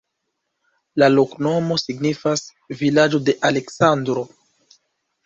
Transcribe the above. La loknomo signifas: vilaĝo de Aleksandro.